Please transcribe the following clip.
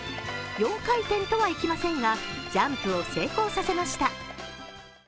４回転とはいきませんがジャンプを成功させました。